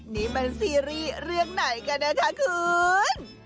นี่มันซีรีส์เรื่องไหนกันนะคะคุณ